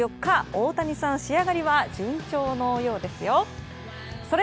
大谷さん、仕上がりは順調のようですよ。